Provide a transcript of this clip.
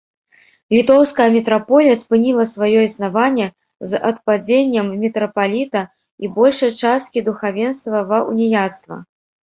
Літоўская мітраполія спыніла сваё існаванне з адпадзеннем мітрапаліта і большай часткі духавенства ва ўніяцтва.